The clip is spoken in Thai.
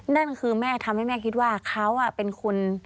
นั่นคือแม่ทำให้แม่คิดว่าเขาเป็นคน